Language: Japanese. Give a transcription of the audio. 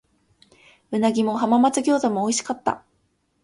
鰻も浜松餃子も美味しかった。